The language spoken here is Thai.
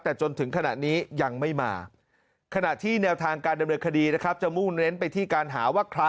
แต่จนถึงขณะนี้ยังไม่มา